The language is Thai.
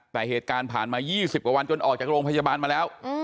แต่เหตุการณ์ผ่านมา๒๐กว่าวันจนออกจากโรงพยาบาลมาแล้ว